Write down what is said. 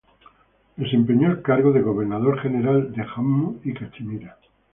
Desempeñó el cargo de Gobernador General de Jammu y Cachemira.